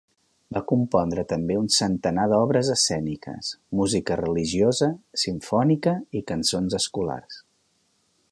Va compondre també un centenar d'obres escèniques, música religiosa, simfònica i cançons escolars.